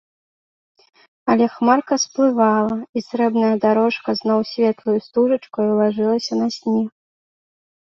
Але хмарка сплывала, і срэбная дарожка зноў светлаю стужачкаю лажылася на снег.